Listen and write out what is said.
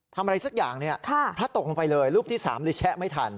อะไรสักอย่างเนี่ยพระตกลงไปเลยรูปที่๓เลยแชะไม่ทัน